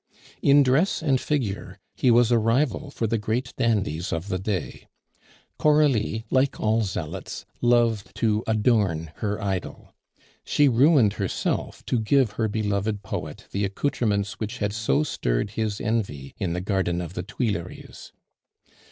In dress and figure he was a rival for the great dandies of the day. Coralie, like all zealots, loved to adorn her idol. She ruined herself to give her beloved poet the accoutrements which had so stirred his envy in the Garden of the Tuileries.